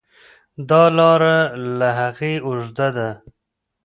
دا لار له هغې اوږده ده.